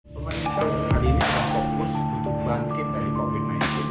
pemerintah berkaitan dengan fokus untuk bangkit dari covid sembilan belas